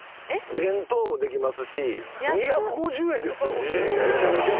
弁当もできますし２５０円ですよ！